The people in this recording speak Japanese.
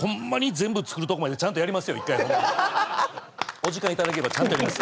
お時間頂ければちゃんとやります。